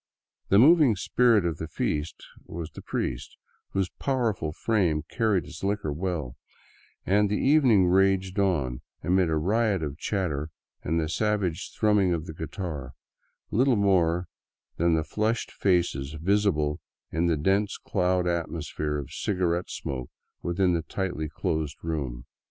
The moving spirit of the feast was the priest, whose powerful frame carried his liquor well, and the evening raged on amid a riot of chatter and the savage thrumming of the guitar, little more than the flushed faces visible in the dense clouded atmosphere of cigarette smoke within the tightly closed room.